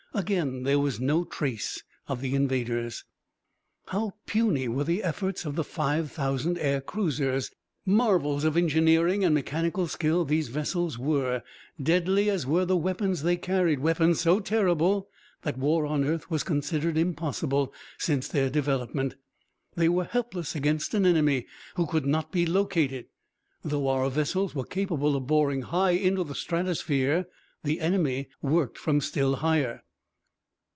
Again there was no trace of the invaders. How puny were the efforts of the five thousand air cruisers! Marvels of engineering and mechanical skill, these vessels were. Deadly as were the weapons they carried weapons so terrible that war on earth was considered impossible since their development they were helpless against an enemy who could not be located. Though our vessels were capable of boring high into the stratosphere, the enemy worked from still higher.